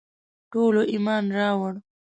ټولو ایمان راووړ.